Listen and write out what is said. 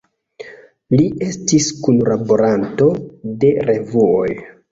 Li estis kunlaboranto de revuoj.